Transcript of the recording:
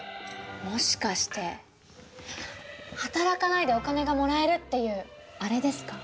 もしかして働かないでお金がもらえるっていうアレですか？